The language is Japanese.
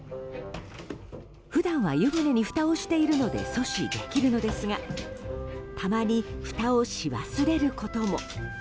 普段は湯船にふたをしているので阻止できるのですがたまに、ふたをし忘れることも。